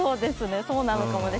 そうなのかもです。